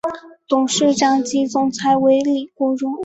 董事长及总裁为林国荣。